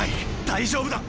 大丈夫だ！な！？